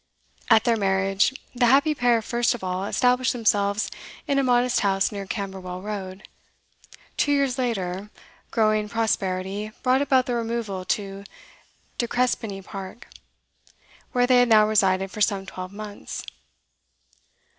At their marriage, the happy pair first of all established themselves in a modest house near Camberwell Road; two years later, growing prosperity brought about their removal to De Crespigny Park, where they had now resided for some twelve months.